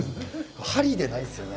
針でないですよね。